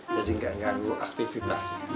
jadi nggak nganggu aktivitas